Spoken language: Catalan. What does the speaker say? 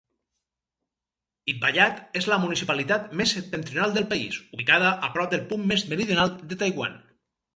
Itbayat és la municipalitat més septentrional del país, ubicada a prop del punt més meridional de Taiwan.